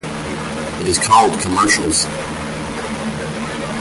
It is called commercials.